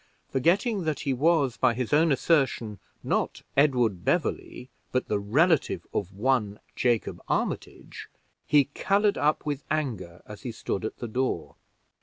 Forgetting that he was, by his own assertion, not Edward Beverley, but the relative of one Jacob Armitage, he colored up with anger as he stood at the door.